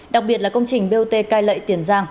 đặc biệt là công trình bot cai lệ tiền